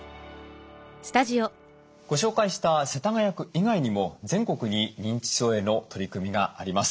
ご紹介した世田谷区以外にも全国に認知症への取り組みがあります。